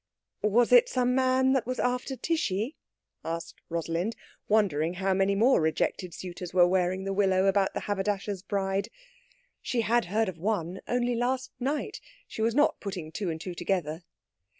"Was it some man that was after Tishy?" asked Rosalind, wondering how many more rejected suitors were wearing the willow about the haberdasher's bride. She had heard of one, only last night. She was not putting two and two together.